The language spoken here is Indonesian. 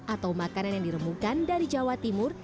atau makanan yang diremukan dari jawa timur